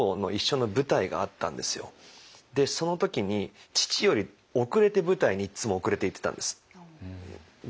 でその時に父より遅れて舞台にいつも遅れて行ってたんです。